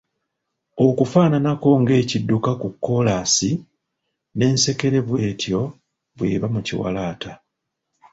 Okufaananako ng’ekidduka ku kolaasi, n’ensekere bw’etyo bw’eba mu kiwalaata.